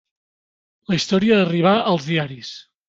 La història arribà als diaris.